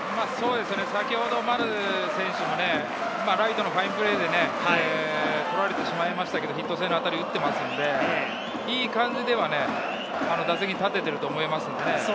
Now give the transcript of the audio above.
先ほど丸選手のライトのファインプレーで捕られてしまいましたけれど、ヒット性の当たりを打っていますので、いい感じては打席に立っていると思います。